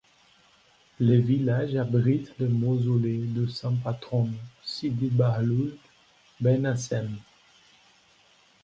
Le village abrite le mausolée du saint patron Sidi bahloul ben assem.